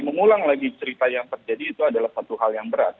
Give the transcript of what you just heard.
mengulang lagi cerita yang terjadi itu adalah satu hal yang berat